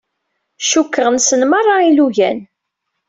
Cukkeɣ nessen merra ilugan.